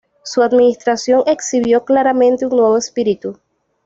Su administración exhibió claramente un nuevo espíritu.